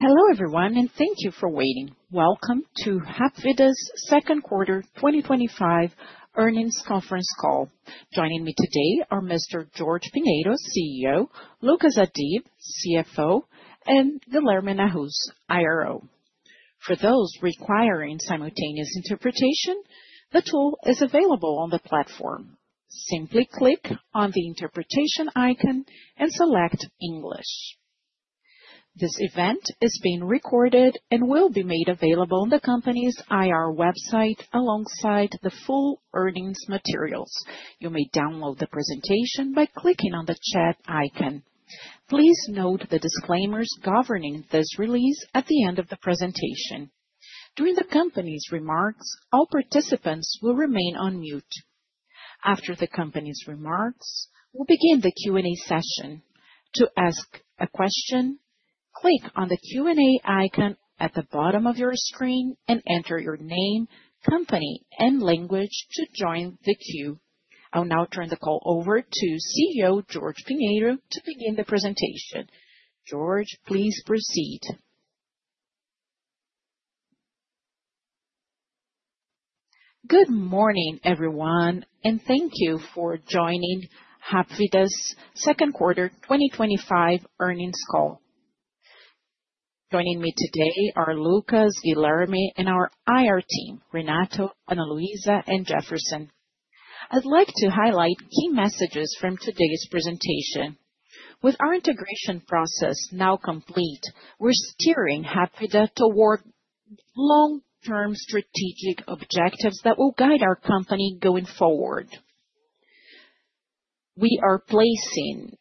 Hello everyone, and thank you for waiting. Welcome to Hapvida's Second Quarter 2025 Earnings Conference Call. Joining me today are Mr. Jorge Pinheiro, CEO, Lucas Adib, CFO, and Vilerme Nahus, IRO. For those requiring simultaneous interpretation, the tool is available on the platform. Simply click on the interpretation icon and select English. This event is being recorded and will be made available on the company's IR website alongside the full earnings materials. You may download the presentation by clicking on the chat icon. Please note the disclaimers governing this release at the end of the presentation. During the company's remarks, all participants will remain on mute. After the company's remarks, we'll begin the Q&A session. To ask a question, click on the Q&A icon at the bottom of your screen and enter your name, company, and language to join the queue. I'll now turn the call over to CEO Jorge Pinheiro to begin the presentation. Jorge, please proceed. Good morning, everyone, and thank you for joining Hapvida Participações e Investimentos S.A.'s second quarter 2025 earnings call. Joining me today are Lucas, Vilerme, and our IR team, Renato, Ana Luisa, and Jefferson. I'd like to highlight key messages from today's presentation. With our integration process now complete, we're steering Hapvida toward long-term strategic objectives that will guide our company going forward. We are placing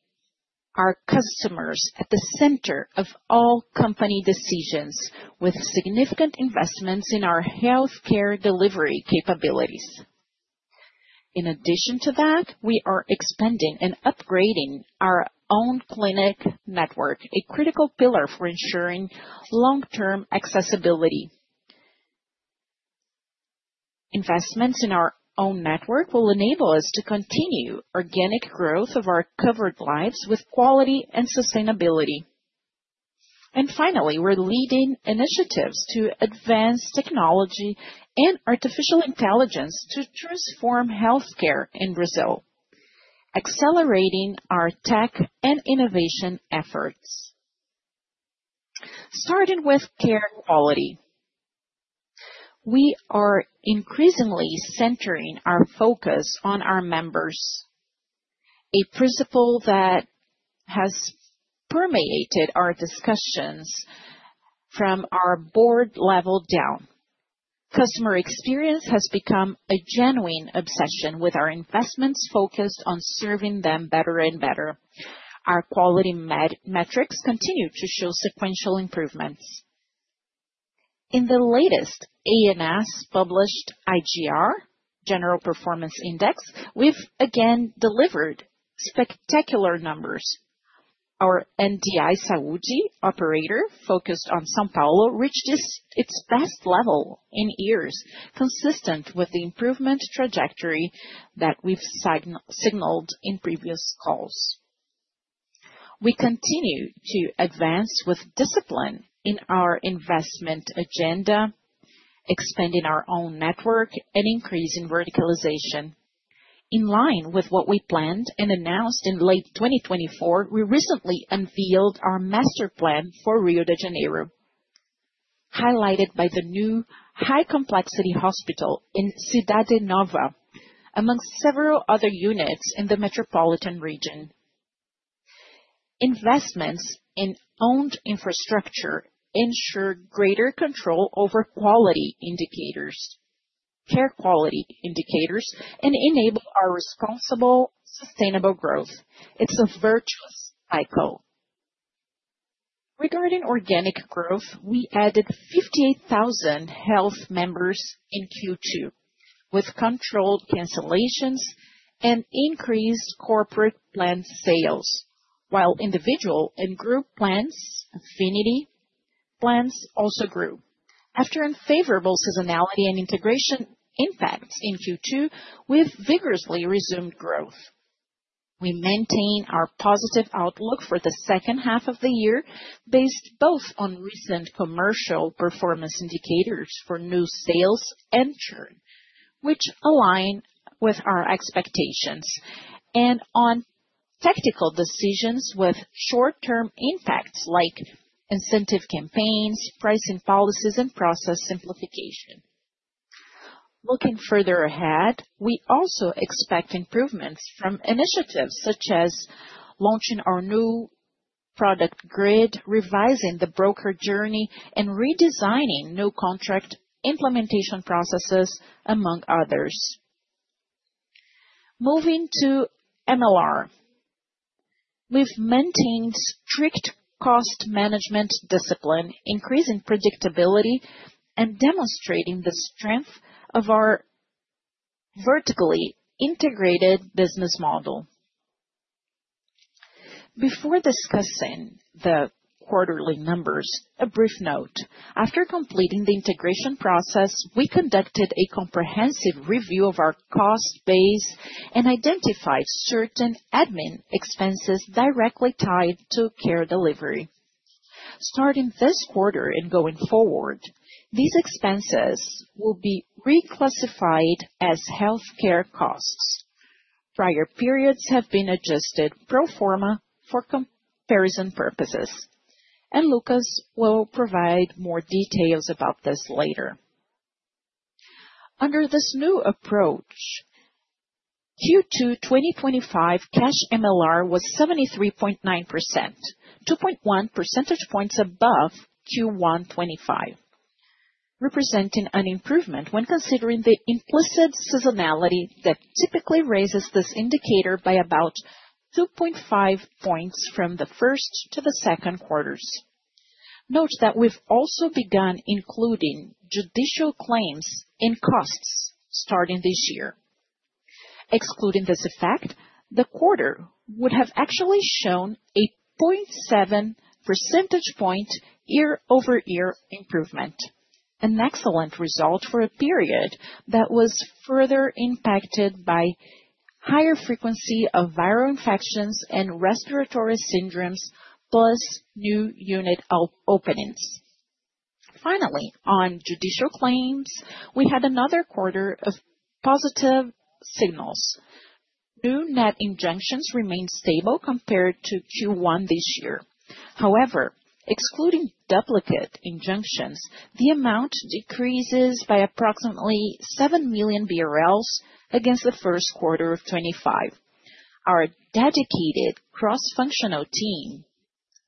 our customers at the center of all company decisions, with significant investments in our healthcare delivery capabilities. In addition to that, we are expanding and upgrading our own clinic network, a critical pillar for ensuring long-term accessibility. Investments in our own network will enable us to continue the organic growth of our covered lives with quality and sustainability. Finally, we're leading initiatives to advance technology and artificial intelligence to transform healthcare in Brazil, accelerating our tech and innovation efforts. Starting with care quality, we are increasingly centering our focus on our members, a principle that has permeated our discussions from our board level down. Customer experience has become a genuine obsession with our investments focused on serving them better and better. Our quality metrics continue to show sequential improvements. In the latest ANS-published IGR, General Performance Index, we've again delivered spectacular numbers. Our NDI Saudi operator focused on São Paulo reached its best level in years, consistent with the improvement trajectory that we've signaled in previous calls. We continue to advance with discipline in our investment agenda, expanding our own network and increasing verticalization. In line with what we planned and announced in late 2024, we recently unveiled our master plan for Rio de Janeiro, highlighted by the new high-complexity hospital in Cidade Nova, among several other units in the metropolitan region. Investments in owned infrastructure ensure greater control over quality indicators, care quality indicators, and enable our responsible, sustainable growth. It's a virtuous cycle. Regarding organic growth, we added 58,000 health members in Q2, with controlled cancellations and increased corporate plan sales, while individual and group plans, affinity plans also grew. After unfavorable seasonality and integration impacts in Q2, we've vigorously resumed growth. We maintain our positive outlook for the second half of the year, based both on recent commercial performance indicators for new sales and churn, which align with our expectations, and on technical decisions with short-term impacts like incentive campaigns, pricing policies, and process simplification. Looking further ahead, we also expect improvements from initiatives such as launching our new product grid, revising the broker journey, and redesigning new contract implementation processes, among others. Moving to MLR, we've maintained strict cost management discipline, increasing predictability, and demonstrating the strength of our vertically integrated business model. Before discussing the quarterly numbers, a brief note. After completing the integration process, we conducted a comprehensive review of our cost base and identified certain admin expenses directly tied to care delivery. Starting this quarter and going forward, these expenses will be reclassified as healthcare costs. Prior periods have been adjusted pro forma for comparison purposes, and Lucas will provide more details about this later. Under this new approach, Q2 2025 cash MLR was 73.9%, 2.1% above Q1 25, representing an improvement when considering the implicit seasonality that typically raises this indicator by about 2.5% from the first to the second quarters. Note that we've also begun including judicial claims in costs starting this year. Excluding this effect, the quarter would have actually shown a 0.7 percentage point year-over-year improvement, an excellent result for a period that was further impacted by a higher frequency of viral infections and respiratory syndromes, plus new unit openings. Finally, on judicial claims, we had another quarter of positive signals. New net injunctions remain stable compared to Q1 this year. However, excluding duplicate injunctions, the amount decreases by approximately 7 million BRL against the first quarter of 2025. Our dedicated cross-functional team,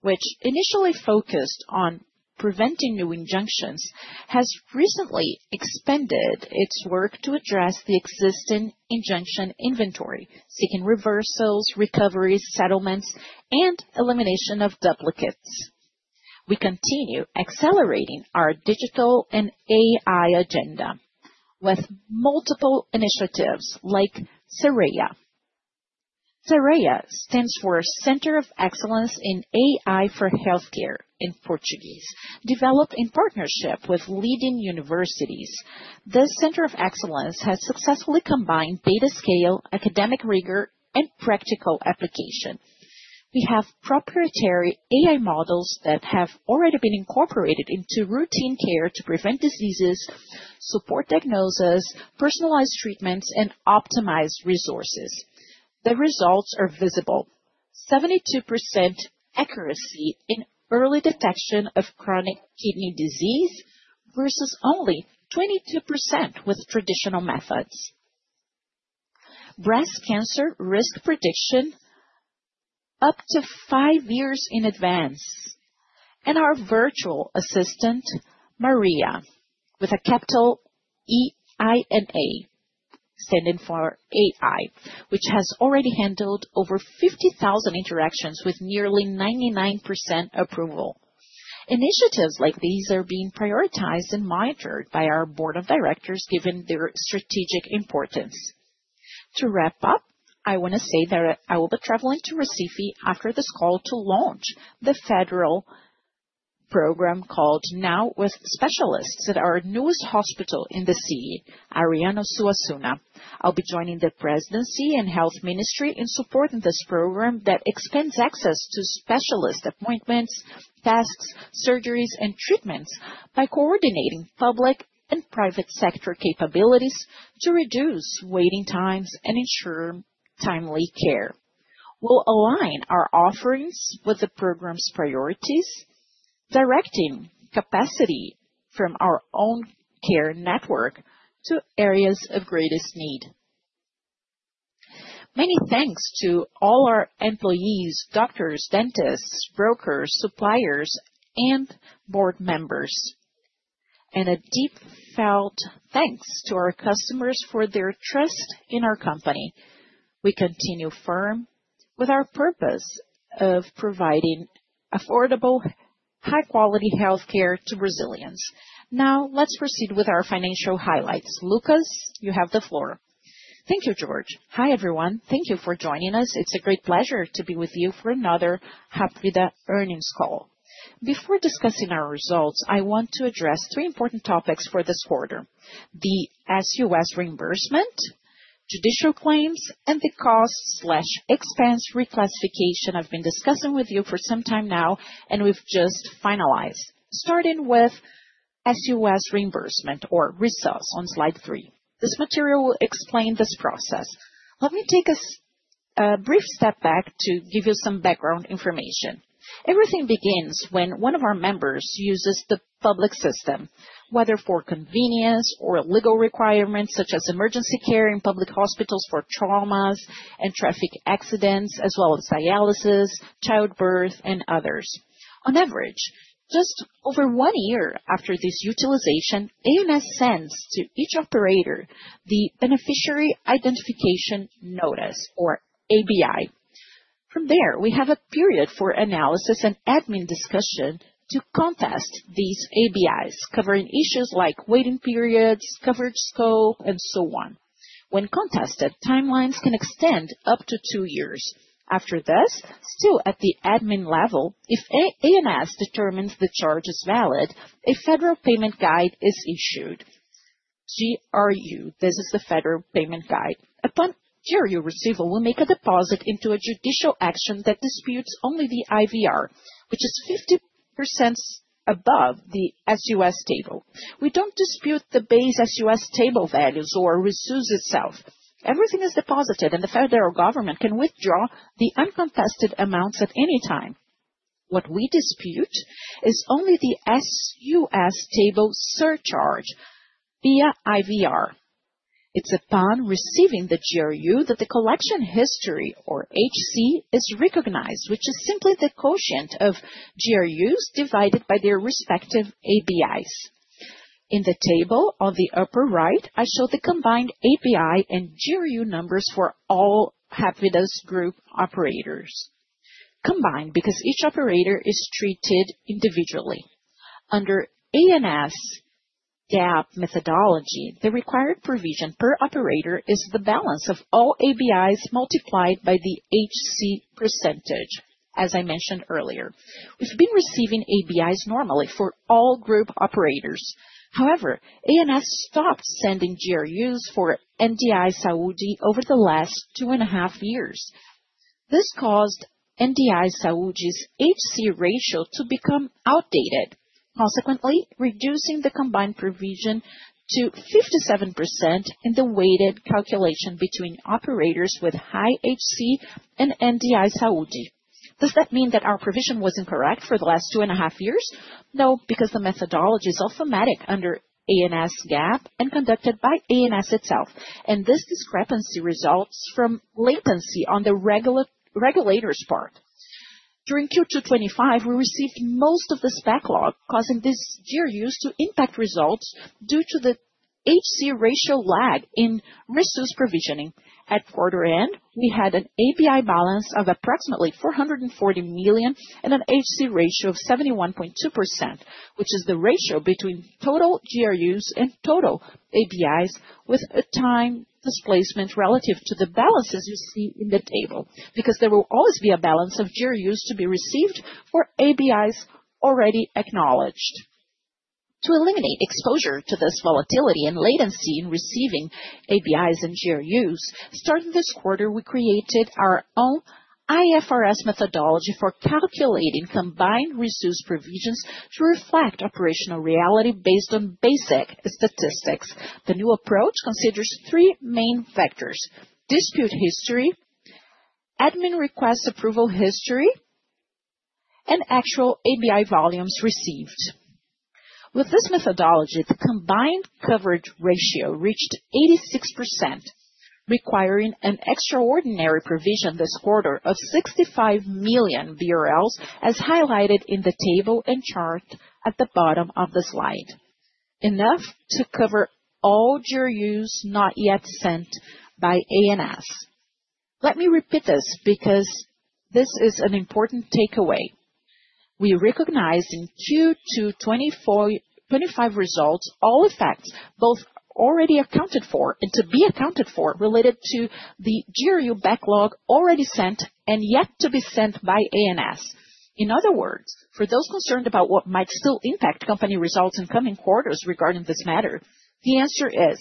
which initially focused on preventing new injunctions, has recently expanded its work to address the existing injunction inventory, seeking reversals, recoveries, settlements, and elimination of duplicates. We continue accelerating our digital and AI agenda with multiple initiatives like SEREIA. SEREIA stands for Center of Excellence in AI for Healthcare in Portuguese, developed in partnership with leading universities. This center of excellence has successfully combined data scale, academic rigor, and practical application. We have proprietary AI models that have already been incorporated into routine care to prevent diseases, support diagnosis, personalize treatments, and optimize resources. The results are visible – 72% accuracy in early detection of chronic kidney disease versus only 22% with traditional methods. Breast cancer risk prediction up to five years in advance. Our virtual assistant, Maria, which has already handled over 50,000 interactions with nearly 99% approval. Initiatives like these are being prioritized and monitored by our Board of Directors, given their strategic importance. To wrap up, I want to say that I will be traveling to Recife after this call to launch the federal program called Now with Specialists at our newest hospital in the city, Ariano Suassuna Hospital. I'll be joining the Presidency and Health Ministry in supporting this program that expands access to specialist appointments, tests, surgeries, and treatments by coordinating public and private sector capabilities to reduce waiting times and ensure timely care. We'll align our offerings with the program's priorities, directing capacity from our own care network to areas of greatest need. Many thanks to all our employees, doctors, dentists, brokers, suppliers, and Board members. A deep-felt thanks to our customers for their trust in our company. We continue firm with our purpose of providing affordable, high-quality healthcare to Brazilians. Now let's proceed with our financial highlights. Lucas, you have the floor. Thank you, Jorge. Hi, everyone. Thank you for joining us. It's a great pleasure to be with you for another Hapvida earnings call. Before discussing our results, I want to address three important topics for this quarter – the SUS reimbursement, judicial claims, and the cost/expense reclassification I've been discussing with you for some time now, and we've just finalized. Starting with SUS reimbursement or RESUS on slide three. This material will explain this process. Let me take a brief step back to give you some background information. Everything begins when one of our members uses the public system, whether for convenience or legal requirements such as emergency care in public hospitals for traumas and traffic accidents, as well as dialysis, childbirth, and others. On average, just over one year after this utilization, ANS sends to each operator the Beneficiary Identification Notice or ABI. From there, we have a period for analysis and admin discussion to contest these ABIs, covering issues like waiting periods, coverage scope, and so on. When contested, timelines can extend up to two years. After this, still at the admin level, if ANS determines the charge is valid, a federal payment guide is issued. GRU, this is the federal payment guide. Upon GRU receival, we'll make a deposit into a judicial action that disputes only the IVR, which is 50% above the SUS table. We don't dispute the base SUS table values or RESUS itself. Everything is deposited, and the federal government can withdraw the uncontested amounts at any time. What we dispute is only the SUS table surcharge via IVR. It's upon receiving the GRU that the collection history or HC is recognized, which is simply the quotient of GRUs divided by their respective ABIs. In the table on the upper right, I show the combined ABI and GRU numbers for all Hapvida Participações e Investimentos S.A. group operators. Combined because each operator is treated individually. Under ANS DAP methodology, the required provision per operator is the balance of all ABIs multiplied by the HC percentage, as I mentioned earlier. We've been receiving ABIs normally for all group operators. However, ANS stopped sending GRUs for NDI Saudi over the last two and a half years. This caused NDI Saudi's HC ratio to become outdated, consequently reducing the combined provision to 57% in the weighted calculation between operators with high HC and NDI Saudi. Does that mean that our provision was incorrect for the last two and a half years? No, because the methodology is automatic under ANS DAP and conducted by ANS itself, and this discrepancy results from latency on the regulators' part. During Q2 2025, we received most of this backlog, causing this GRU to impact results due to the HC ratio lag in resource provisioning. At quarter end, we had an ABI balance of approximately 440 million and an HC ratio of 71.2%, which is the ratio between total GRUs and total ABIs with a time displacement relative to the balances you see in the table because there will always be a balance of GRUs to be received for ABIs already acknowledged. To eliminate exposure to this volatility and latency in receiving ABIs and GRUs, starting this quarter, we created our own IFRS methodology for calculating combined resource provisions to reflect operational reality based on basic statistics. The new approach considers three main factors: dispute history, admin request approval history, and actual ABI volumes received. With this methodology, the combined coverage ratio reached 86%, requiring an extraordinary provision this quarter of 65 million BRL, as highlighted in the table and chart at the bottom of the slide. Enough to cover all GRUs not yet sent by ANS. Let me repeat this because this is an important takeaway. We recognize in Q2 2025 results all effects both already accounted for and to be accounted for related to the GRU backlog already sent and yet to be sent by ANS. In other words, for those concerned about what might still impact company results in coming quarters regarding this matter, the answer is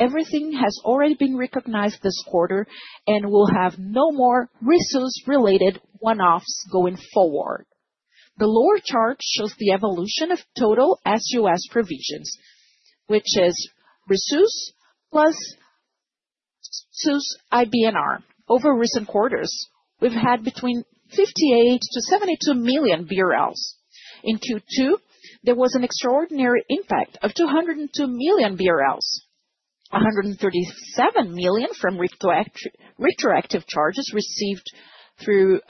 everything has already been recognized this quarter and will have no more resource-related one-offs going forward. The lower chart shows the evolution of total SUS provisions, which is resource plus SUS IBNR over recent quarters. We've had between 58 million-72 million BRL. In Q2, there was an extraordinary impact of 202 million BRL, 137 million from retroactive charges received through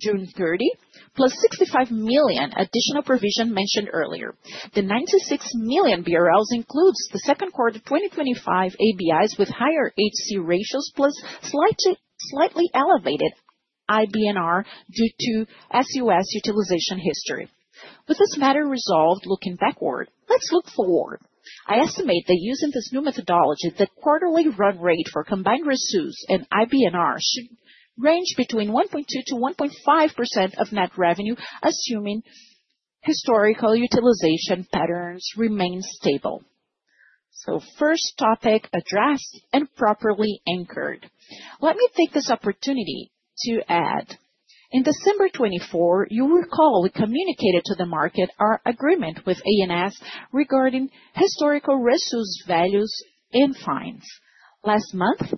June 30, +65 million additional provision mentioned earlier. The 96 million BRL includes the second quarter 2025 ABIs with higher HC ratios plus slightly elevated IBNR due to SUS utilization history. With this matter resolved, looking backward, let's look forward. I estimate that using this new methodology, the quarterly run rate for combined resource and IBNR should range between 1.2%-1.5% of net revenue, assuming historical utilization patterns remain stable. First topic addressed and properly anchored. Let me take this opportunity to add, in December 2024, you recall we communicated to the market our agreement with ANS regarding historical resource values and fines. Last month,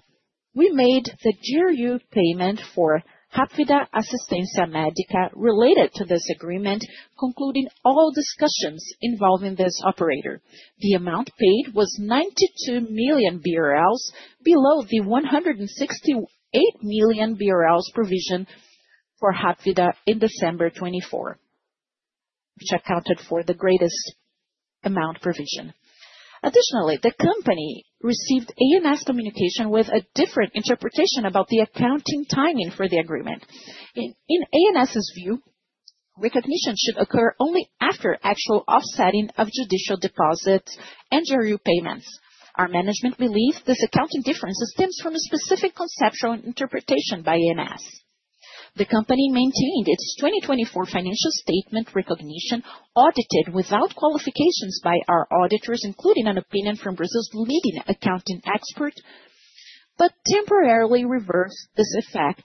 we made the GRU payment for Hapvida Assistência Médica related to this agreement, concluding all discussions involving this operator. The amount paid was 92 million BRL below the 168 million BRL provision for Hapvida in December 2024, which accounted for the greatest amount provision. Additionally, the company received ANS communication with a different interpretation about the accounting timing for the agreement. In ANS's view, recognition should occur only after actual offsetting of judicial deposits and GRU payments. Our management believes this accounting difference stems from a specific conceptual interpretation by ANS. The company maintained its 2024 financial statement recognition audited without qualifications by our auditors, including an opinion from Brazil's leading accounting expert, but temporarily reversed this effect.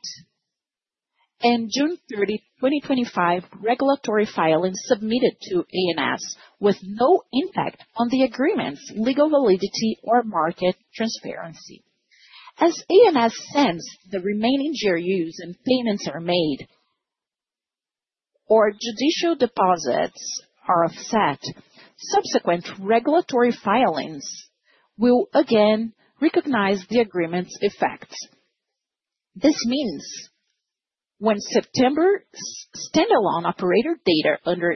On June 30, 2025, regulatory filings submitted to ANS with no impact on the agreement's legal validity or market transparency. As ANS sends the remaining GRUs and payments are made or judicial deposits are offset, subsequent regulatory filings will again recognize the agreement's effects. This means when September standalone operator data under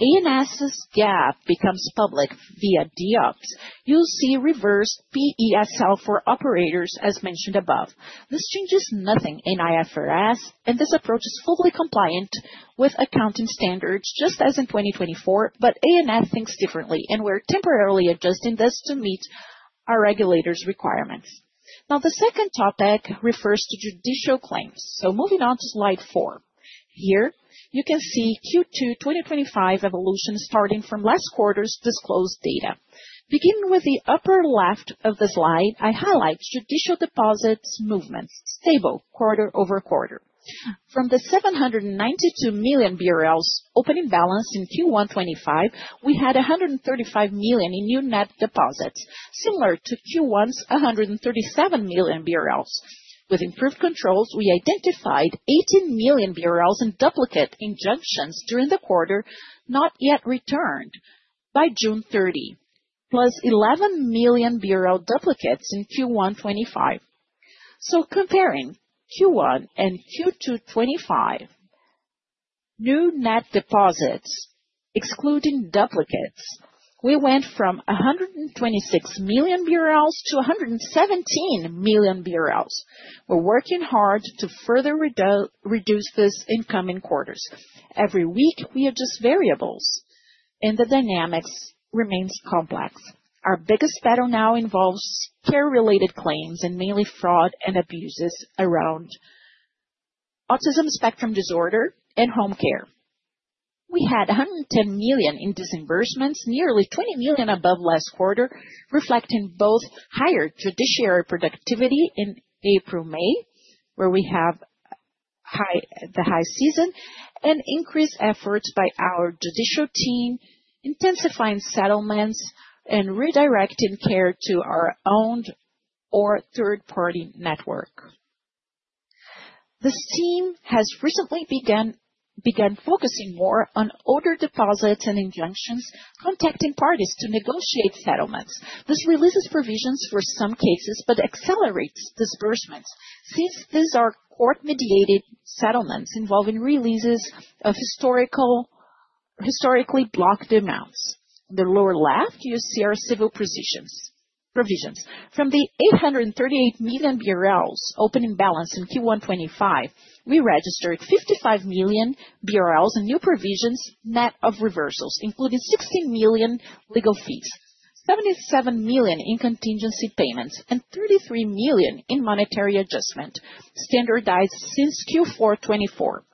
ANS's DAP becomes public via DOPS, you'll see reversed VESL for operators as mentioned above. This changes nothing in IFRS, and this approach is fully compliant with accounting standards just as in 2024, but ANS thinks differently, and we're temporarily adjusting this to meet our regulator's requirements. The second topic refers to judicial claims. Moving on to slide four, here you can see Q2 2025 evolution starting from last quarter's disclosed data. Beginning with the upper left of the slide, I highlight judicial deposits movements, table quarter over quarter. From the 792 million BRL opening balance in Q1 2025, we had 135 million in new net deposits, similar to Q1's 137 million BRL. With improved controls, we identified 18 million BRL in duplicate injunctions during the quarter not yet returned by June 30, +11 million duplicates in Q1 2025. Comparing Q1 and Q2 2025, new net deposits excluding duplicates, we went from 126 million-117 million BRL. We're working hard to further reduce this in coming quarters. Every week we adjust variables, and the dynamics remain complex. Our biggest battle now involves care-related claims and mainly fraud and abuses around autism spectrum disorder and home care. We had 110 million in disbursements, nearly 20 million above last quarter, reflecting both higher judiciary productivity in April and May, where we have the high season, and increased efforts by our judicial team, intensifying settlements and redirecting care to our owned or third-party network. The team has recently begun focusing more on order deposits and injunctions, contacting parties to negotiate settlements. This releases provisions for some cases, but accelerates disbursements since these are court-mediated settlements involving releases of historically blocked amounts. In the lower left, you see our civil provisions. From the 838 million BRL opening balance in Q1 2025, we registered 55 million BRL in new provisions net of reversals, including 16 million legal fees, 77 million in contingency payments, and 33 million in monetary adjustment standardized since Q4 2024.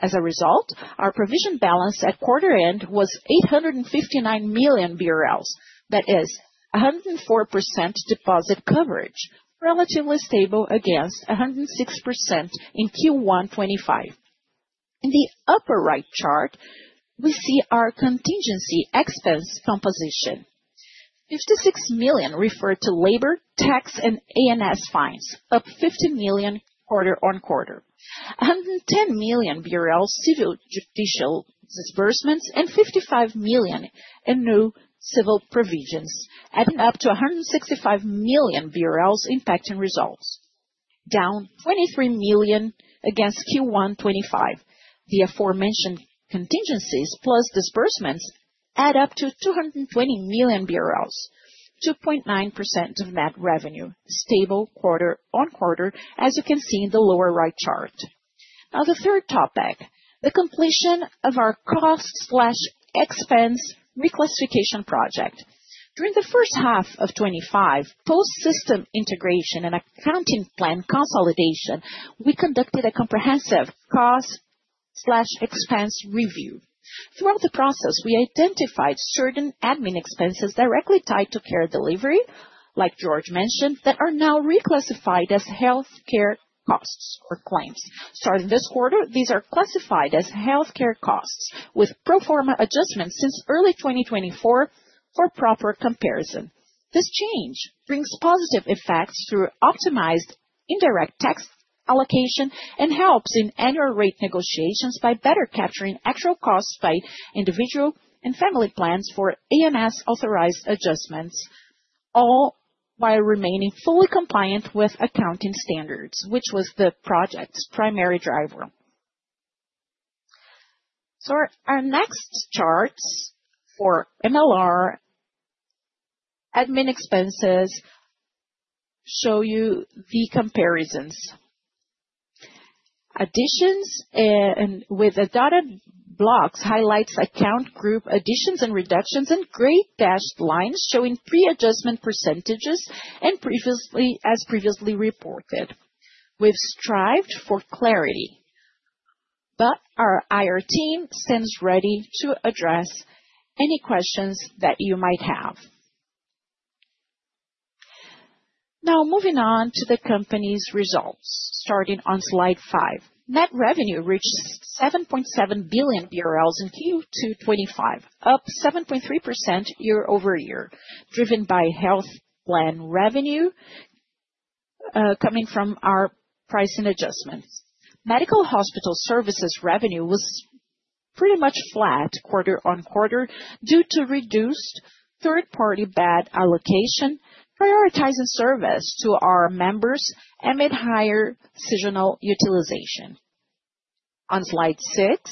As a result, our provision balance at quarter end was 859 million BRL. That is 104% deposit coverage, relatively stable against 106% in Q1 2025. In the upper right chart, we see our contingency expense composition. 56 million refer to labor, tax, and ANS fines, up 50 million quarter-on-quarter. 110 million civil judicial disbursements and 55 million in new civil provisions, adding up to 165 million BRL impacting results, down 23 million against Q1 2025. The aforementioned contingencies plus disbursements add up to 220 million BRL, 2.9% of net revenue, stable quarter on quarter, as you can see in the lower right chart. Now the third topic, the completion of our cost/expense reclassification project. During the first half of 2025, post-system integration and accounting plan consolidation, we conducted a comprehensive cost/expense review. Throughout the process, we identified certain admin expenses directly tied to care delivery, like Jorge mentioned, that are now reclassified as healthcare costs or claims. Starting this quarter, these are classified as healthcare costs with pro forma adjustments since early 2024 for proper comparison. This change brings positive effects through optimized indirect tax allocation and helps in annual rate negotiations by better capturing actual costs by individual and family plans for AMS authorized adjustments, all while remaining fully compliant with accounting standards, which was the project's primary driver. For our next charts for MLR, admin expenses show you the comparisons. Additions and with a dotted block highlights account group additions and reductions, and great dashed lines showing pre-adjustment percentages and as previously reported. We've strived for clarity, but our IR team stands ready to address any questions that you might have. Now moving on to the company's results, starting on slide five. Net revenue reached 7.7 billion BRL in Q2 2025, up 7.3% year-over-year, driven by health plan revenue coming from our pricing adjustments. Medical hospital services revenue was pretty much flat quarter on quarter due to reduced third-party bed allocation, prioritizing service to our members amid higher seasonal utilization. On slide six,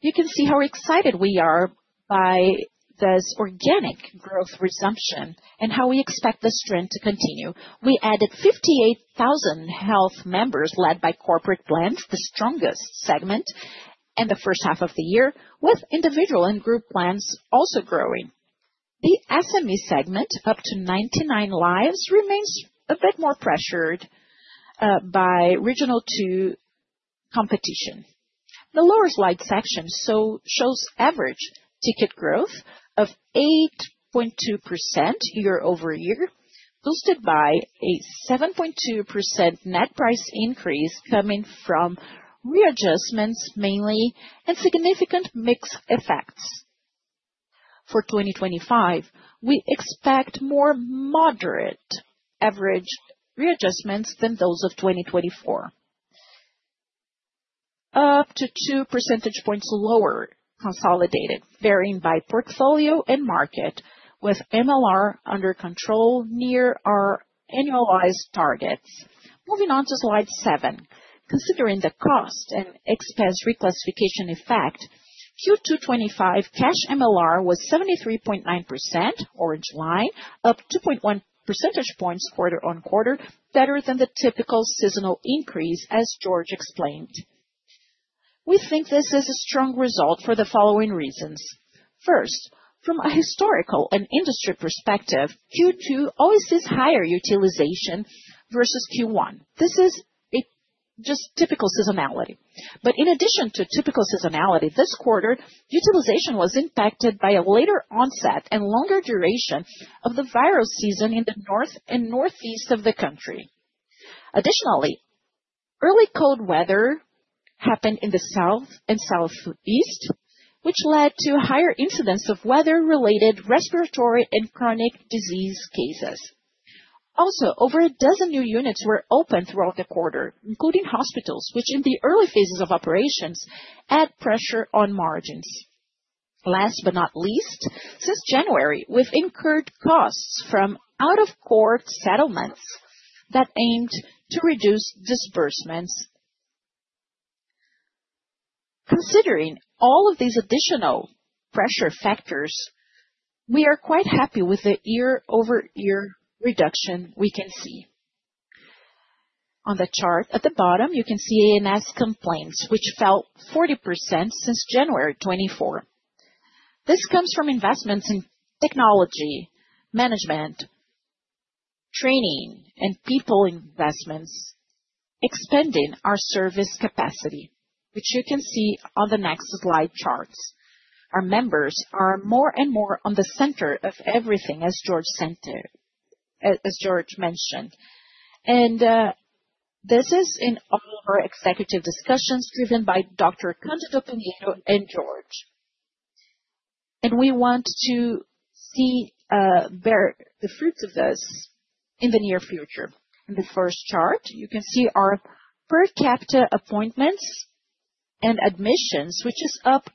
you can see how excited we are by this organic growth resumption and how we expect this trend to continue. We added 58,000 health members led by corporate plans, the strongest segment in the first half of the year, with individual and group plans also growing. The SME segment, up to 99 lives, remains a bit more pressured by regional two competition. The lower slide section shows average ticket growth of 8.2% year-over-year, boosted by a 7.2% net price increase coming from readjustments mainly and significant mixed effects. For 2025, we expect more moderate average readjustments than those of 2024, up to two percentage points lower consolidated, varying by portfolio and market, with MLR under control near our annualized targets. Moving on to slide seven, considering the cost and expense reclassification effect, Q2 2025 cash MLR was 73.9%, or in July, up 2.1 percentage points quarter on quarter, better than the typical seasonal increase, as Jorge explained. We think this is a strong result for the following reasons. First, from a historical and industry perspective, Q2 always sees higher utilization versus Q1. This is just typical seasonality. In addition to typical seasonality, this quarter utilization was impacted by a later onset and longer duration of the viral season in the north and northeast of the country. Additionally, early cold weather happened in the south and southeast, which led to higher incidence of weather-related respiratory and chronic disease cases. Also, over a dozen new units were opened throughout the quarter, including hospitals, which in the early phases of operations add pressure on margins. Last but not least, since January, we've incurred costs from out-of-court settlements that aimed to reduce disbursements. Considering all of these additional pressure factors, we are quite happy with the year-over-year reduction we can see. On the chart at the bottom, you can see ANS complaints, which fell 40% since January 2024. This comes from investments in technology, management, training, and people investments, expanding our service capacity, which you can see on the next slide charts. Our members are more and more on the center of everything, as Jorge mentioned. This is in our executive discussions driven by Dr. Conte do Pinheiro and Jorge. We want to see bear the fruits of this in the near future. In the first chart, you can see our per capita appointments and admissions, which is up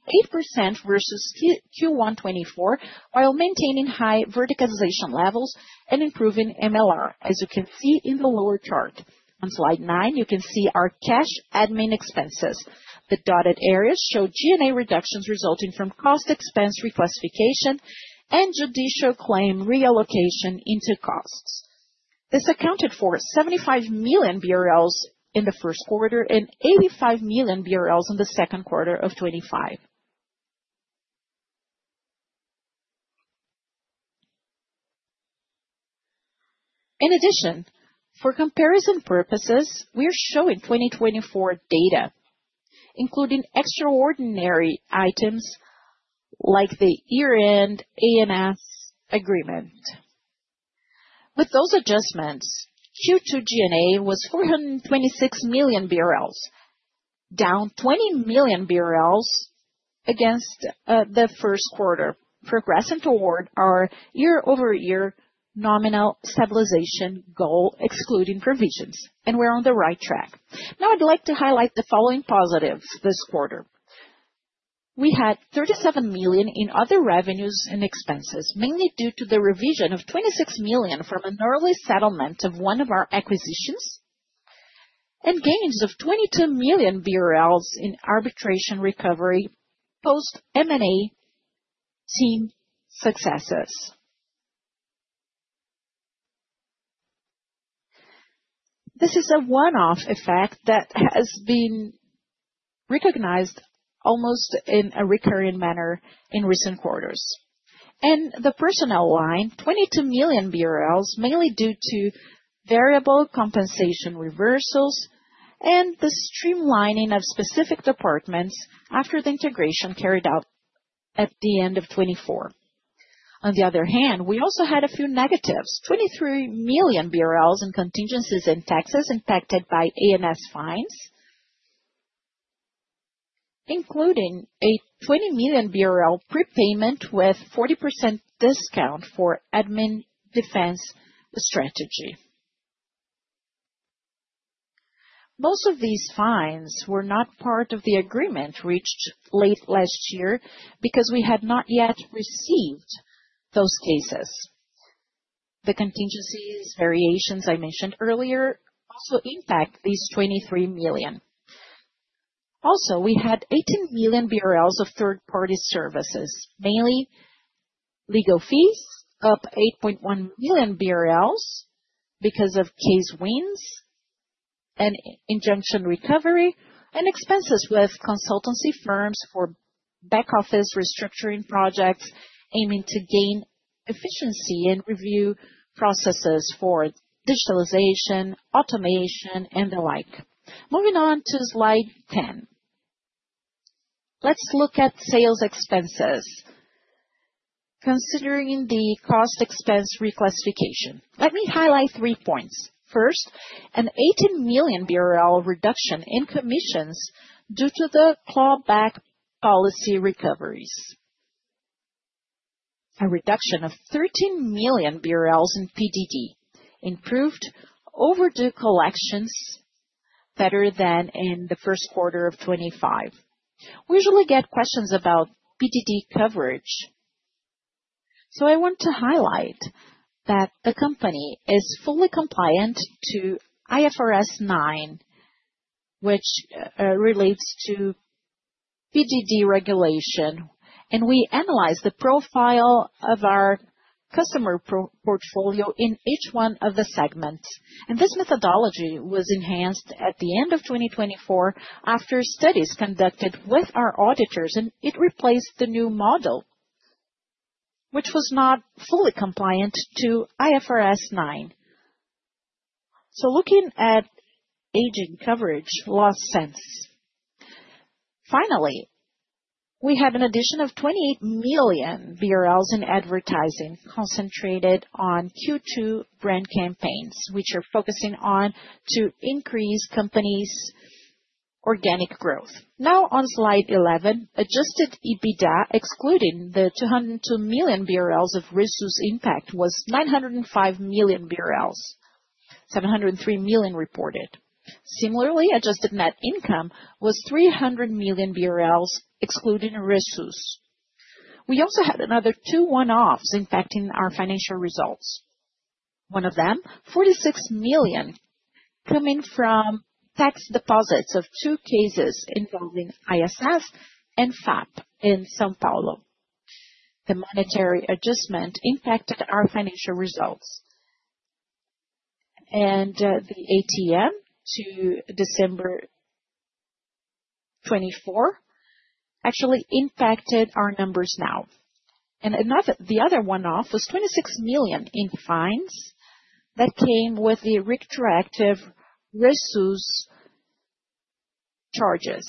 8% versus Q1 2024, while maintaining high verticalization levels and improving MLR, as you can see in the lower chart. On slide nine, you can see our cash admin expenses. The dotted areas show G&A reductions resulting from cost expense reclassification and judicial claim reallocation into costs. This accounted for 75 million BRL in the first quarter and 85 million BRL in the second quarter of 2025. In addition, for comparison purposes, we're showing 2024 data, including extraordinary items like the year-end ANS agreement. With those adjustments, Q2 G&A was 426 million BRL, down 20 million BRL against the first quarter, progressing toward our year-over-year nominal stabilization goal, excluding provisions, and we're on the right track. Now I'd like to highlight the following positives this quarter. We had 37 million in other revenues and expenses, mainly due to the revision of 26 million from an early settlement of one of our acquisitions and gains of 22 million BRL in arbitration recovery post-M&A team successes. This is a one-off effect that has been recognized almost in a recurring manner in recent quarters. In the personnel line, 22 million BRL, mainly due to variable compensation reversals and the streamlining of specific departments after the integration carried out at the end of 2024. On the other hand, we also had a few negatives, 23 million BRL in contingencies and taxes impacted by ANS fines, including a 20 million BRL prepayment with 40% discount for admin defense strategy. Most of these fines were not part of the agreement reached late last year because we had not yet received those cases. The contingency variations I mentioned earlier also impact these 23 million. Also, we had 18 million BRL of third-party services, mainly legal fees, up 8.1 million BRL because of case wins and injunction recovery, and expenses with consultancy firms for back office restructuring projects aiming to gain efficiency and review processes for digitalization, automation, and the like. Moving on to slide 10, let's look at sales expenses. Considering the cost expense reclassification, let me highlight three points. First, an 18 million BRL reduction in commissions due to the clawback policy recoveries. A reduction of 13 million BRL in PTD, improved overdue collections better than in the first quarter of 2025. We usually get questions about PTD coverage. I want to highlight that the company is fully compliant to IFRS 9, which relates to PTD regulation, and we analyze the profile of our customer portfolio in each one of the segments. This methodology was enhanced at the end of 2024 after studies conducted with our auditors, and it replaced the new model, which was not fully compliant to IFRS 9. Looking at aging coverage loss then. Finally, we have an addition of 28 million BRL in advertising concentrated on Q2 brand campaigns, which are focusing on to increase companies' organic growth. Now on slide 11, adjusted EBITDA excluding the 202 million BRL of resource impact was 905 million BRL, 703 million reported. Similarly, adjusted net income was 300 million BRL excluding resources. We also had another two one-offs impacting our financial results. One of them, 46 million coming from tax deposits of two cases involving ISS and FAP in São Paulo. The monetary adjustment impacted our financial results. The ATM to December 2024 actually impacted our numbers now. The other one-off was 26 million in fines that came with the retroactive resource charges.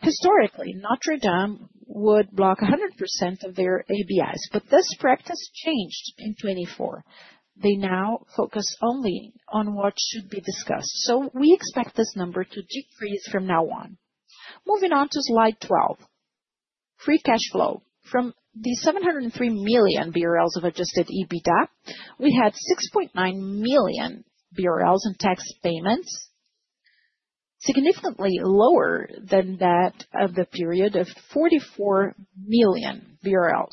Historically, Notre Dame would block 100% of their ABIs, but this practice changed in 2024. They now focus only on what should be discussed. We expect this number to decrease from now on. Moving on to slide 12, free cash flow. From the 703 million BRL of adjusted EBITDA, we had 6.9 million BRL in tax payments, significantly lower than that of the period of 44 million BRL.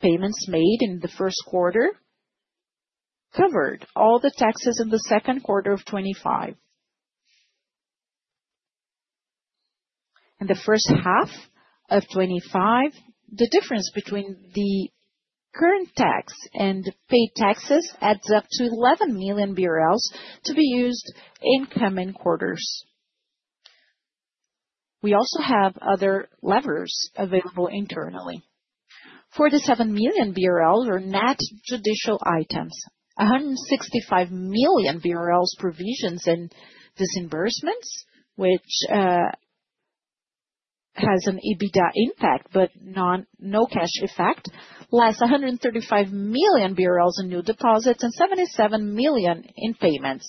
Payments made in the first quarter covered all the taxes in the second quarter of 2025. In the first half of 2025, the difference between the current tax and the paid taxes adds up to 11 million BRL to be used in coming quarters. We also have other levers available internally. 47 million BRL are net judicial items, 165 million BRL provisions and disbursements, which has an EBITDA impact but no cash effect, less 135 million BRL in new deposits and 77 million in payments,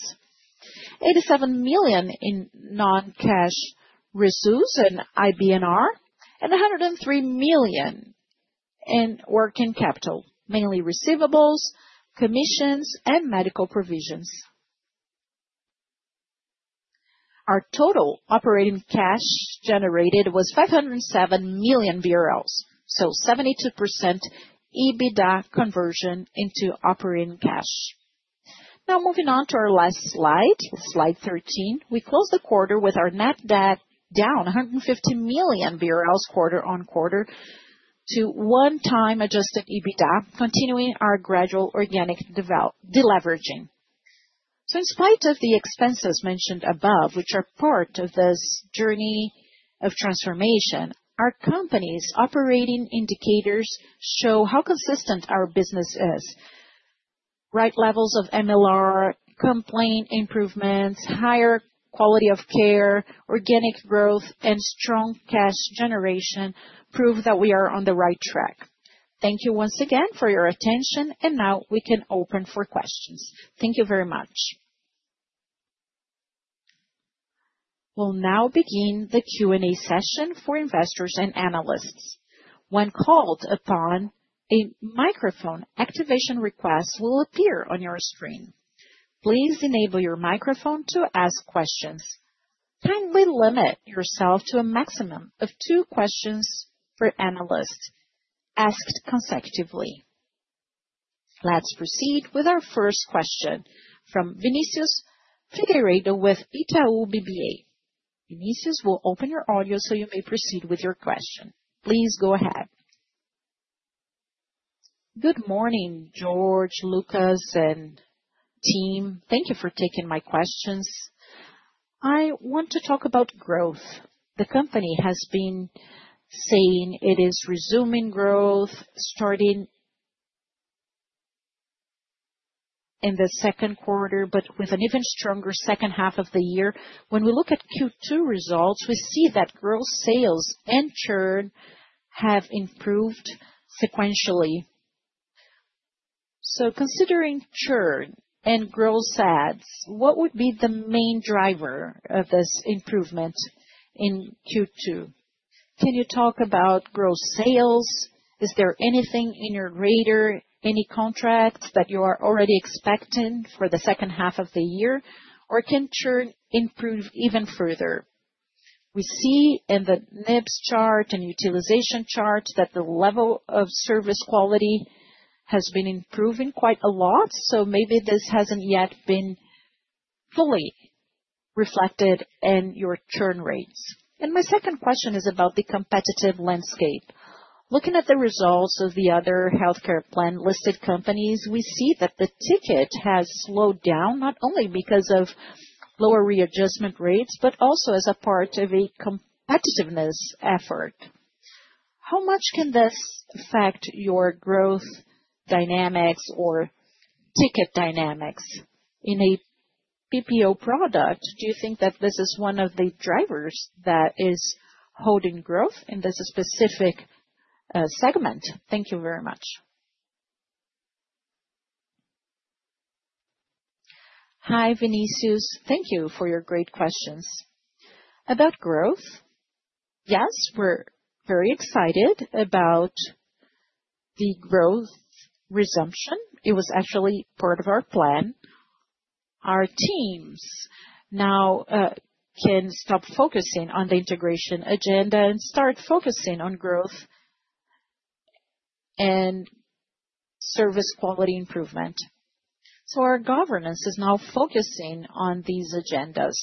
87 million in non-cash resource and IBNR, and 103 million in working capital, mainly receivables, commissions, and medical provisions. Our total operating cash generated was BRL 507 million, so 72% EBITDA conversion into operating cash. Now moving on to our last slide, slide 13, we close the quarter with our net debt down 150 million BRL quarter on quarter to one-time adjusted EBITDA, continuing our gradual organic deleveraging. In spite of the expenses mentioned above, which are part of this journey of transformation, our company's operating indicators show how consistent our business is. Right levels of MLR, complaint improvements, higher quality of care, organic growth, and strong cash generation prove that we are on the right track. Thank you once again for your attention, and now we can open for questions. Thank you very much. We'll now begin the Q&A session for investors and analysts. When called upon, a microphone activation request will appear on your screen. Please enable your microphone to ask questions. Kindly limit yourself to a maximum of two questions per analyst asked consecutively. Let's proceed with our first question from Vinicius Figueiredo with Itaú BBA. Vinicius, we'll open your audio so you may proceed with your question. Please go ahead. Good morning, Jorge, Lucas, and team. Thank you for taking my questions. I want to talk about growth. The company has been saying it is resuming growth, starting in the second quarter, but with an even stronger second half of the year. When we look at Q2 results, we see that gross sales and churn have improved sequentially. Considering churn and gross ads, what would be the main driver of this improvement in Q2? Can you talk about gross sales? Is there anything in your radar, any contracts that you are already expecting for the second half of the year, or can churn improve even further? We see in the NIPS chart and utilization chart that the level of service quality has been improving quite a lot, so maybe this hasn't yet been fully reflected in your churn rates. My second question is about the competitive landscape. Looking at the results of the other healthcare plan listed companies, we see that the ticket has slowed down not only because of lower readjustment rates, but also as a part of a competitiveness effort. How much can this affect your growth dynamics or ticket dynamics? In a PPO product, do you think that this is one of the drivers that is holding growth in this specific segment? Thank you very much. Hi, Vinicius. Thank you for your great questions. About growth, yes, we're very excited about the growth resumption. It was actually part of our plan. Our teams now can stop focusing on the integration agenda and start focusing on growth and service quality improvement. Our governance is now focusing on these agendas.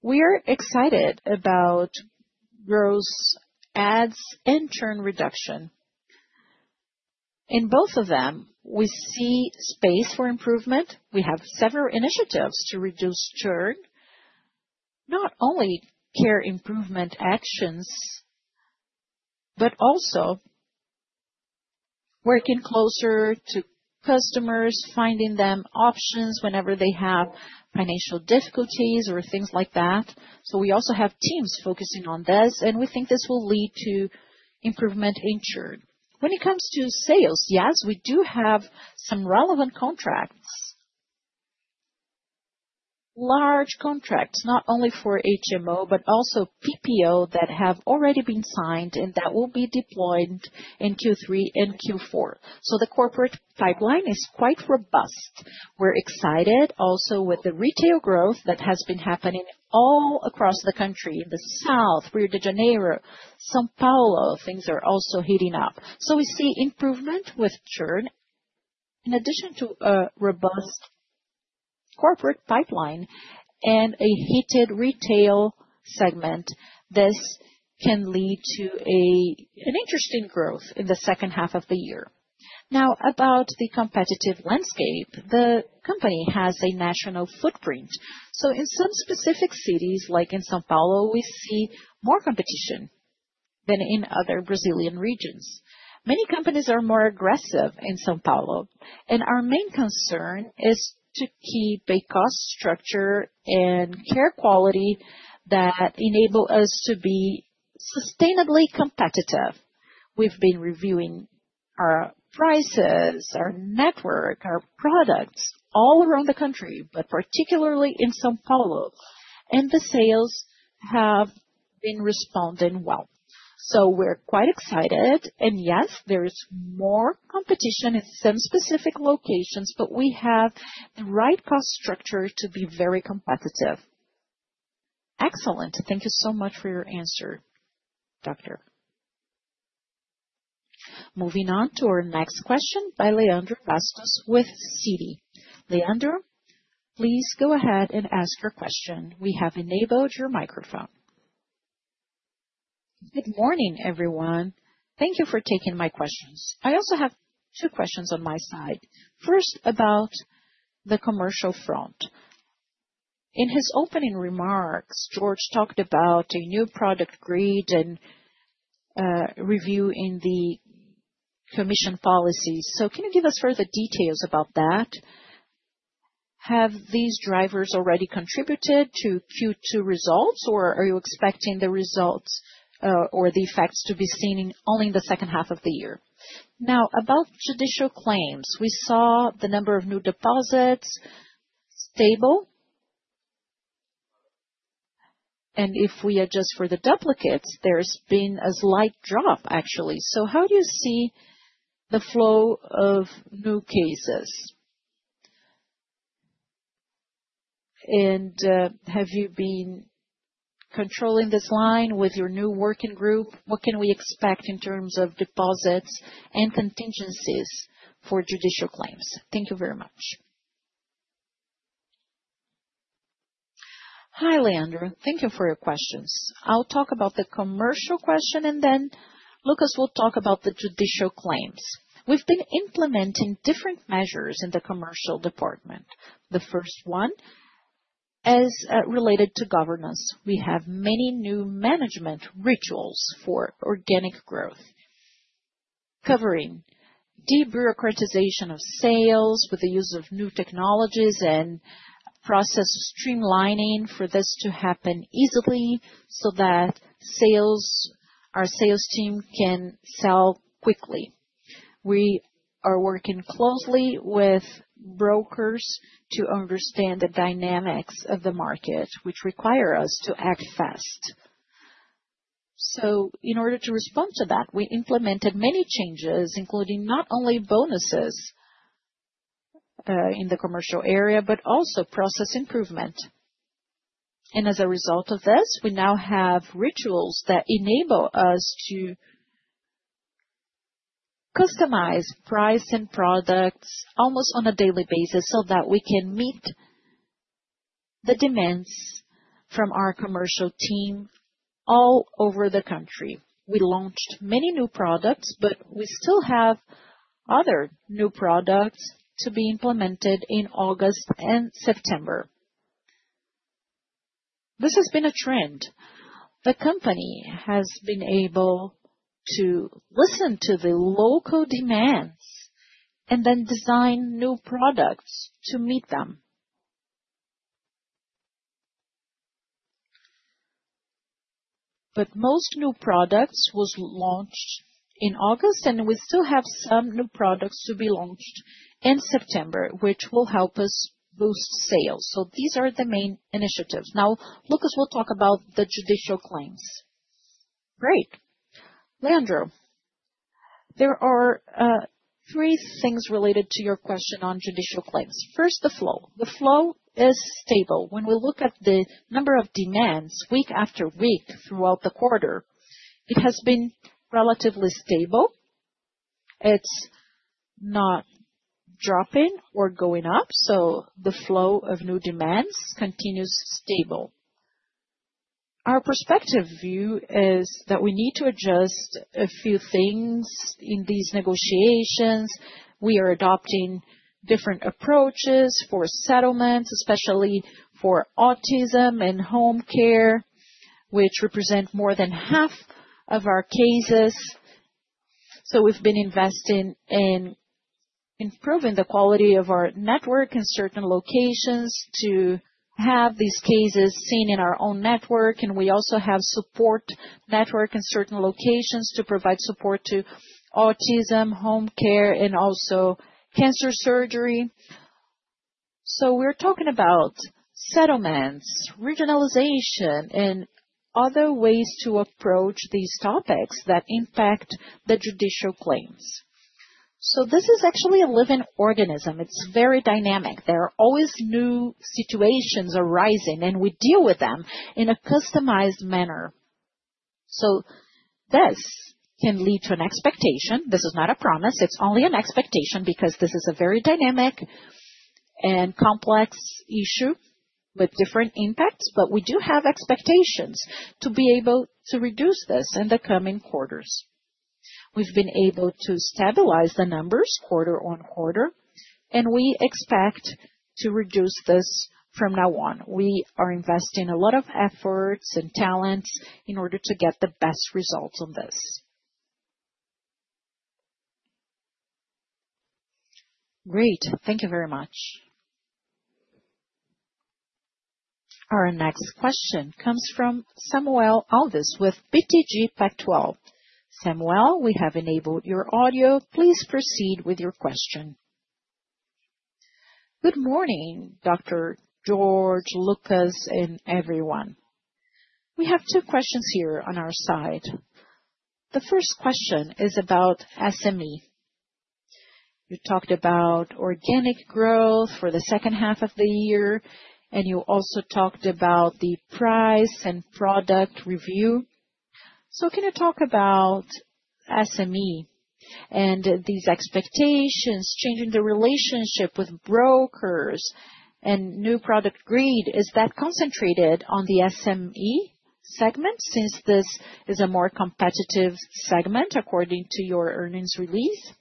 We're excited about gross ads and churn reduction. In both of them, we see space for improvement. We have several initiatives to reduce churn, not only care improvement actions, but also working closer to customers, finding them options whenever they have financial difficulties or things like that. We also have teams focusing on this, and we think this will lead to improvement in churn. When it comes to sales, yes, we do have some relevant contracts, large contracts, not only for HMO, but also PPO that have already been signed and that will be deployed in Q3 and Q4. The corporate pipeline is quite robust. We're excited also with the retail growth that has been happening all across the country. In the South, Rio de Janeiro, São Paulo, things are also heating up. We see improvement with churn. In addition to a robust corporate pipeline and a heated retail segment, this can lead to an interesting growth in the second half of the year. Now about the competitive landscape, the company has a national footprint. In some specific cities, like in São Paulo, we see more competition than in other Brazilian regions. Many companies are more aggressive in São Paulo, and our main concern is to keep a cost structure and care quality that enable us to be sustainably competitive. We've been reviewing our prices, our network, our product all around the country, particularly in São Paulo, and the sales have been responding well. We're quite excited, and yes, there is more competition in some specific locations, but we have the right cost structure to be very competitive. Excellent. Thank you so much for your answer, Doctor. Moving on to our next question by Leandro Bastos with Citi. Leandro, please go ahead and ask your question. We have enabled your microphone. Good morning, everyone. Thank you for taking my questions. I also have two questions on my side. First, about the commercial front. In his opening remarks, Jorge talked about a new product grid and review in the commission policy. Can you give us further details about that? Have these drivers already contributed to Q2 results, or are you expecting the results or the effects to be seen only in the second half of the year? Now, about judicial claims, we saw the number of new deposits stable. If we adjust for the duplicates, there's been a slight drop, actually. How do you see the flow of new cases? Have you been controlling this line with your new working group? What can we expect in terms of deposits and contingencies for judicial claims? Thank you very much. Hi, Leandro. Thank you for your questions. I'll talk about the commercial question, and then Lucas will talk about the judicial claims. We've been implementing different measures in the commercial department. The first one is related to governance. We have many new management rituals for organic growth, covering de-bureaucratization of sales with the use of new technologies and process streamlining for this to happen easily so that our sales team can sell quickly. We are working closely with brokers to understand the dynamics of the market, which require us to act fast. In order to respond to that, we implemented many changes, including not only bonuses in the commercial area, but also process improvement. As a result of this, we now have rituals that enable us to customize price and products almost on a daily basis so that we can meet the demand from our commercial team all over the country. We launched many new products, but we still have other new products to be implemented in August and September. This has been a trend. The company has been able to listen to the local demand and then design new products to meet them. Most new products were launched in August, and we still have some new products to be launched in September, which will help us boost sales. These are the main initiatives. Now, Lucas will talk about the judicial claims. Great. Leandro, there are three things related to your question on judicial claims. First, the flow. The flow is stable. When we look at the number of demands week after week throughout the quarter, it has been relatively stable. It's not dropping or going up. The flow of new demands continues stable. Our perspective view is that we need to adjust a few things in these negotiations. We are adopting different approaches for settlements, especially for autism and home care, which represent more than half of our cases. We've been investing in improving the quality of our network in certain locations to have these cases seen in our own network. We also have support network in certain locations to provide support to autism, home care, and also cancer surgery. We're talking about settlements, regionalization, and other ways to approach these topics that impact the judicial claims. This is actually a living organism. It's very dynamic. There are always new situations arising, and we deal with them in a customized manner. This can lead to an expectation. This is not a promise. It's only an expectation because this is a very dynamic and complex issue with different impacts. We do have expectations to be able to reduce this in the coming quarters. We've been able to stabilize the numbers quarter on quarter, and we expect to reduce this from now on. We are investing a lot of efforts and talents in order to get the best results on this. Great. Thank you very much. Our next question comes from Samuel Alves with BTG Pactual. Samuel, we have enabled your audio. Please proceed with your question. Good morning, Dr. Jorge, Lucas, and everyone. We have two questions here on our side. The first question is about SME. You talked about organic growth for the second half of the year, and you also talked about the price and product review. Can you talk about SME and these expectations, changing the relationship with brokers and new product grid? Is that concentrated on the SME segment since this is a more competitive segment according to your earnings release?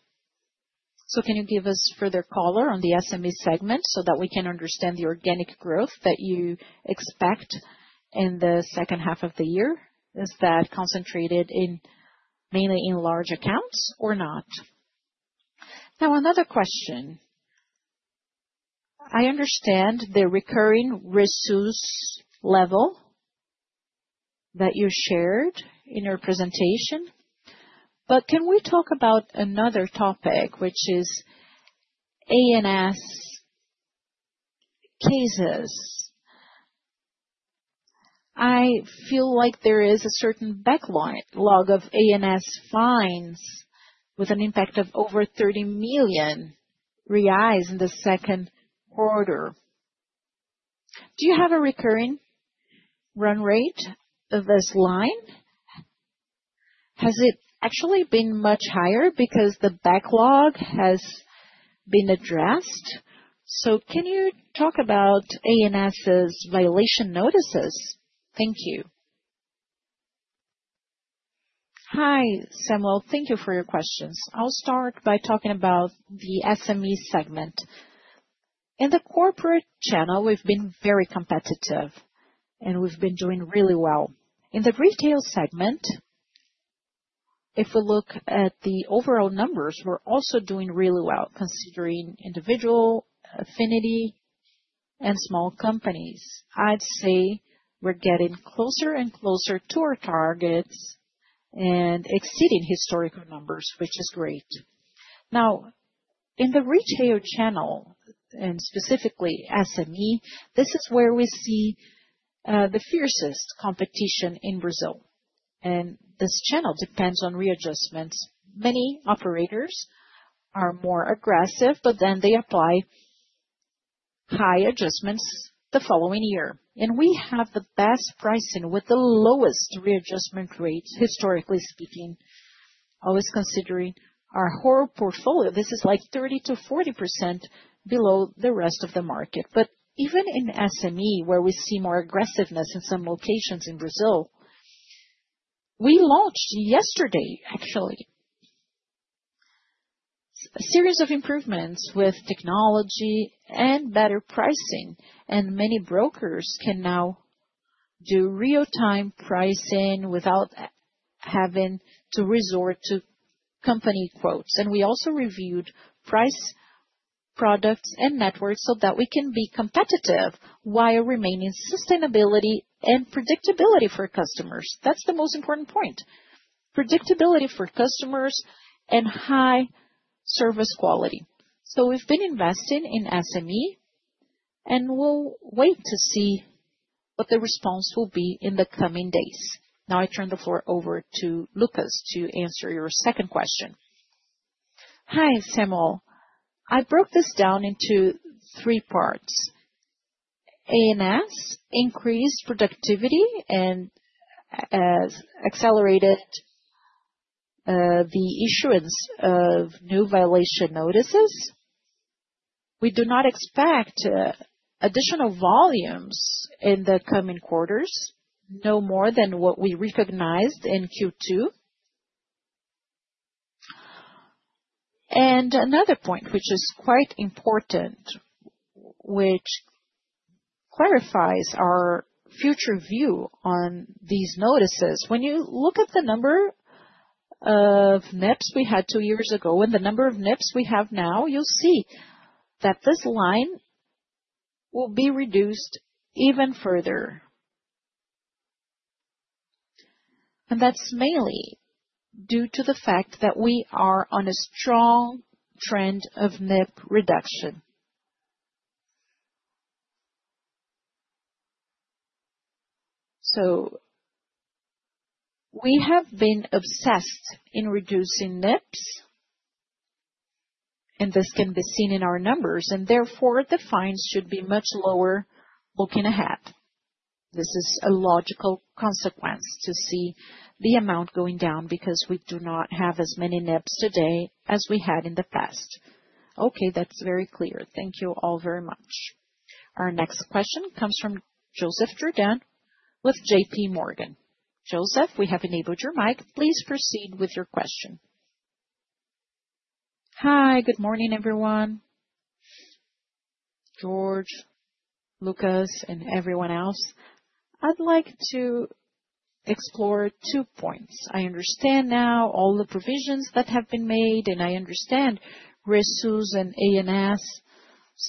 Can you give us further color on the SME segment so that we can understand the organic growth that you expect in the second half of the year? Is that concentrated mainly in large accounts or not? Another question. I understand the recurring resource level that you shared in your presentation, but can we talk about another topic, which is ANS cases? I feel like there is a certain backlog of ANS fines with an impact of over 30 million reais in the second quarter. Do you have a recurring run rate of this line? Has it actually been much higher because the backlog has been addressed? Can you talk about ANS's violation notices? Thank you. Hi, Samuel. Thank you for your questions. I'll start by talking about the SME segment. In the corporate channel, we've been very competitive, and we've been doing really well. In the retail segment, if we look at the overall numbers, we're also doing really well considering individual affinity and small companies. I'd say we're getting closer and closer to our targets and exceeding historical numbers, which is great. In the retail channel, and specifically SME, this is where we see the fiercest competition in Brazil. This channel depends on readjustments. Many operators are more aggressive, but then they apply high adjustments the following year. We have the best pricing with the lowest readjustment rates, historically speaking, always considering our whole portfolio. This is like 30%-40% below the rest of the market. Even in SME, where we see more aggressiveness in some locations in Brazil, we launched yesterday, actually, a series of improvements with technology and better pricing. Many brokers can now do real-time pricing without having to resort to company quotes. We also reviewed price products and networks so that we can be competitive while remaining sustainability and predictability for customers. That's the most important point: predictability for customers and high service quality. We've been investing in SME, and we'll wait to see what the response will be in the coming days. Now I turn the floor over to Lucas to answer your second question. Hi, Samuel. I broke this down into three parts. ANS increased productivity and accelerated the issuance of new violation notices. We do not expect additional volumes in the coming quarters, no more than what we recognized in Q2. Another point, which is quite important, which clarifies our future view on these notices. When you look at the number of NIPS we had two years ago and the number of NIPS we have now, you'll see that this line will be reduced even further. That's mainly due to the fact that we are on a strong trend of NIP reduction. We have been obsessed in reducing NIPS. This can be seen in our numbers, and therefore, the fines should be much lower looking ahead. This is a logical consequence to see the amount going down because we do not have as many NIPS today as we had in the past. Okay, that's very clear. Thank you all very much. Our next question comes from Joseph Giordano with JPMorgan. Joseph, we have enabled your mic. Please proceed with your question. Hi, good morning, everyone. Jorge, Lucas, and everyone else. I'd like to explore two points. I understand now all the provisions that have been made, and I understand resource and ANS.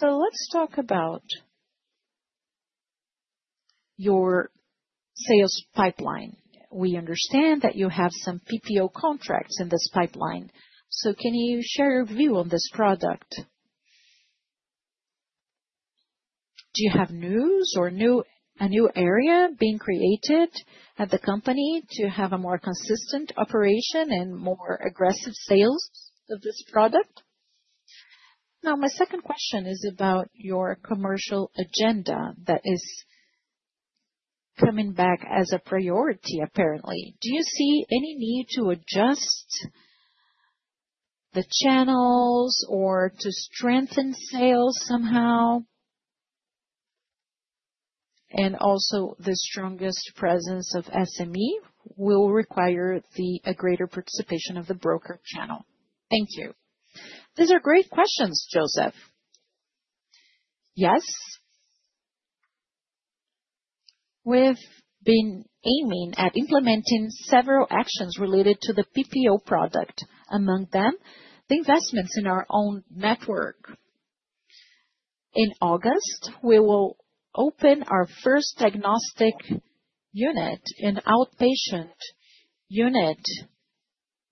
Let's talk about your sales pipeline. We understand that you have some PPO contracts in this pipeline. Can you share your view on this product? Do you have news or a new area being created at the company to have a more consistent operation and more aggressive sales of this product? My second question is about your commercial agenda that is coming back as a priority, apparently. Do you see any need to adjust the channels or to strengthen sales somehow? Also, the strongest presence of SME will require a greater participation of the broker channel. Thank you. These are great questions, Joseph. Yes. We've been aiming at implementing several actions related to the PPO product. Among them, the investments in our own network. In August, we will open our first diagnostic unit, an outpatient unit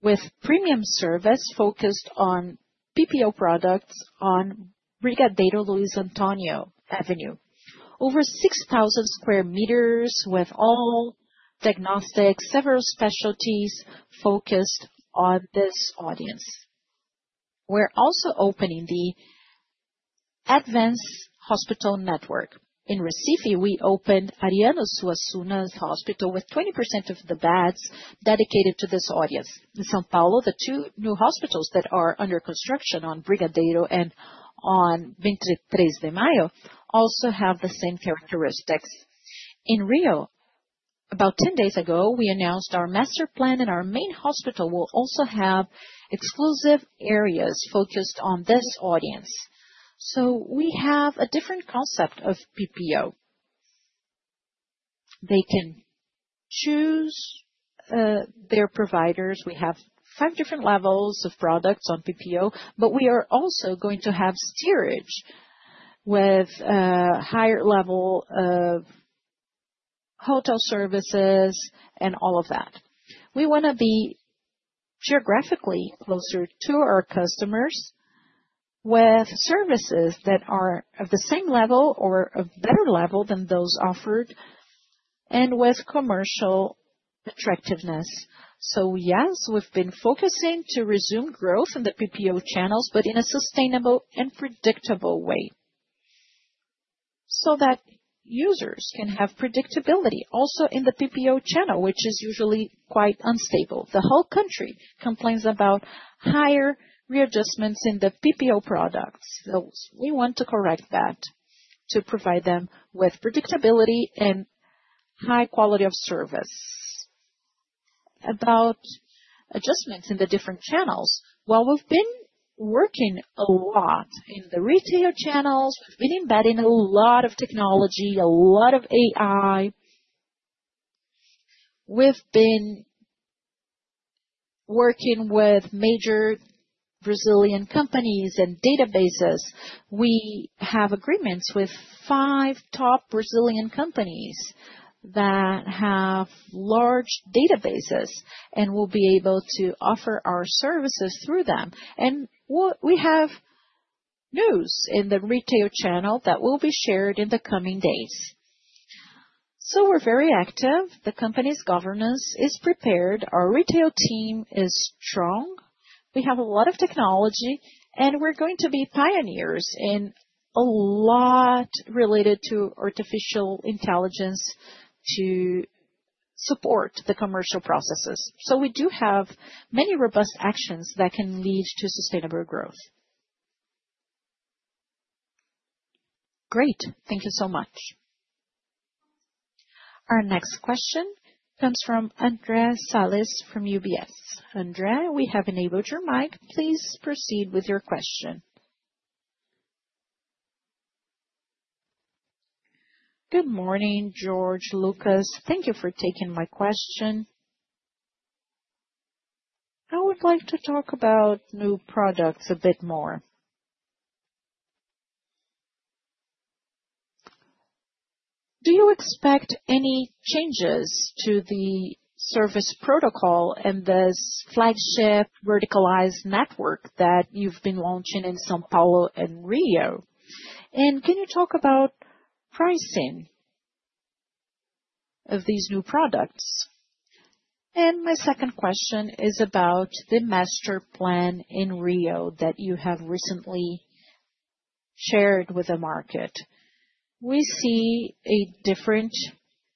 with premium service focused on PPO products on Brigadeiro Luís Antônio Avenue. Over 6,000 square meters with all diagnostics, several specialties focused on this audience. We're also opening the Advent Hospital network. In Recife, we opened Ariano Suassuna Hospital with 20% of the beds dedicated to this audience. In São Paulo, the two new hospitals that are under construction on Brigadeiro and on 23 de Maio also have the same characteristics. In Rio de Janeiro, about 10 days ago, we announced our master plan, and our main hospital will also have exclusive areas focused on this audience. We have a different concept of PPO. They can choose their providers. We have five different levels of products on PPO, but we are also going to have steerage with a higher level of hotel services and all of that. We want to be geographically closer to our customers with services that are of the same level or of a better level than those offered and with commercial attractiveness. Yes, we've been focusing to resume growth in the PPO channels, but in a sustainable and predictable way so that users can have predictability also in the PPO channel, which is usually quite unstable. The whole country complains about higher readjustments in the PPO product. We want to correct that to provide them with predictability and high quality of service. About adjustments in the different channels, we've been working a lot in the retail channels, we've been embedding a lot of technology, a lot of AI. We've been working with major Brazilian companies and databases. We have agreements with five top Brazilian companies that have large databases and will be able to offer our services through them. We have news in the retail channel that will be shared in the coming days. We are very active. The company's governance is prepared. Our retail team is strong. We have a lot of technology, and we are going to be pioneers in a lot related to artificial intelligence to support the commercial processes. We do have many robust actions that can lead to sustainable growth. Great. Thank you so much. Our next question comes from Andr´e Salles from UBS. Andr´e, we have enabled your mic. Please proceed with your question. Good morning, Jorge, Lucas. Thank you for taking my question. I would like to talk about new products a bit more. Do you expect any changes to the service protocol and this flagship verticalized network that you've been launching in São Paulo and Rio? Can you talk about pricing of these new products? My second question is about the master plan in Rio that you have recently shared with the market. We see different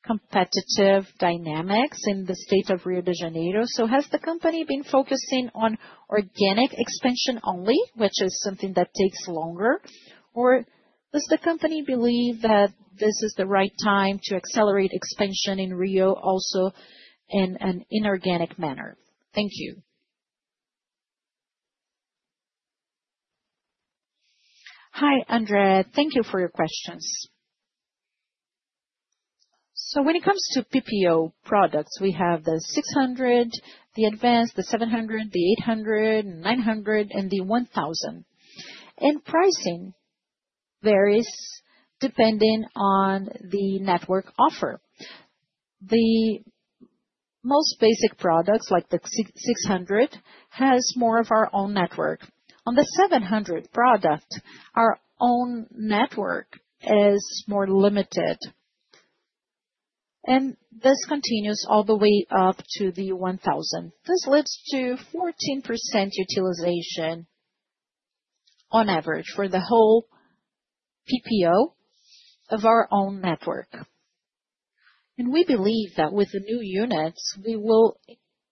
competitive dynamics in the state of Rio de Janeiro. Has the company been focusing on organic expansion only, which is something that takes longer, or does the company believe that this is the right time to accelerate expansion in Rio also in an inorganic manner? Thank you. Hi, André. Thank you for your questions. When it comes to PPO products, we have the 600, the Advance, the 700, the 800, the 900, and the 1000. Pricing varies depending on the network offer. The most basic products, like the 600, have more of our own network. On the 700 product, our own network is more limited. This continues all the way up to the 1000. This leads to 14% utilization on average for the whole PPO of our own network. We believe that with the new units, we will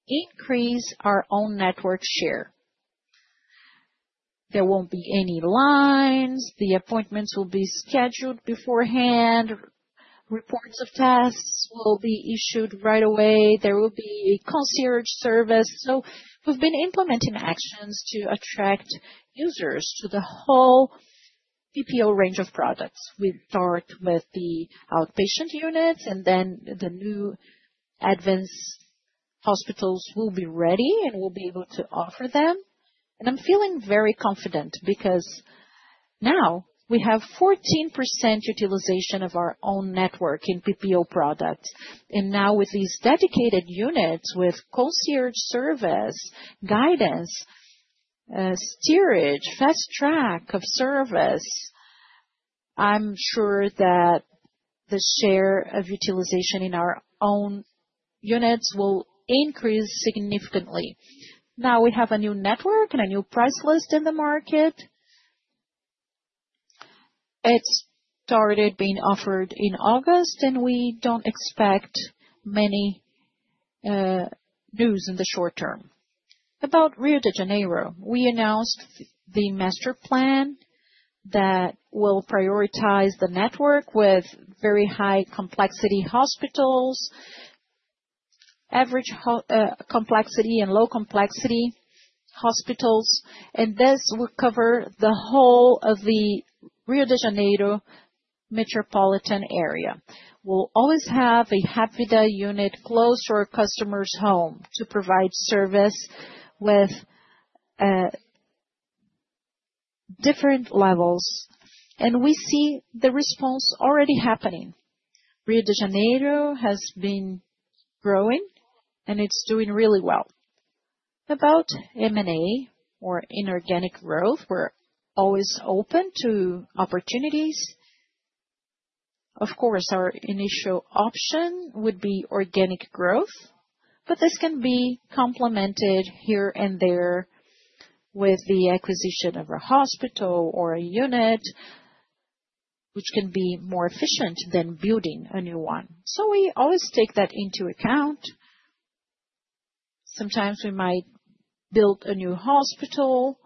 increase our own network share. There won't be any lines. The appointments will be scheduled beforehand. Reports of tests will be issued right away. There will be a concierge service. We have been implementing actions to attract users to the whole PPO range of products. We start with the outpatient units, and then the new Advance hospitals will be ready, and we'll be able to offer them. I'm feeling very confident because now we have 14% utilization of our own network in PPO products. Now, with these dedicated units, with concierge service, guidance, steerage, fast track of service, I'm sure that the share of utilization in our own units will increase significantly. Now we have a new network and a new price list in the market. It started being offered in August, and we don't expect many news in the short term. About Rio de Janeiro, we announced the master plan that will prioritize the network with very high complexity hospitals, average complexity, and low complexity hospitals. This will cover the whole of the Rio de Janeiro metropolitan area. We'll always have a Hapvida unit close to our customers' home to provide service with different levels. We see the response already happening. Rio de Janeiro has been growing, and it's doing really well. About M&A or inorganic growth, we're always open to opportunities. Of course, our initial option would be organic growth, but this can be complemented here and there with the acquisition of a hospital or a unit, which can be more efficient than building a new one. We always take that into account. Sometimes we might build a new hospital,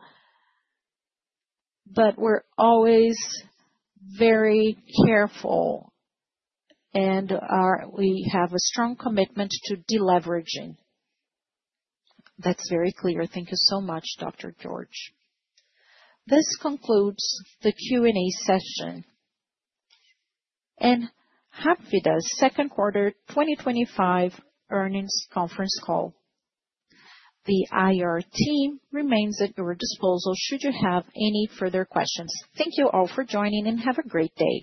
but we're always very careful, and we have a strong commitment to deleveraging. That's very clear. Thank you so much, Dr. Jorge. This concludes the Q&A session and Hapvida's second quarter 2025 earnings conference call. The IR team remains at your disposal should you have any further questions. Thank you all for joining, and have a great day.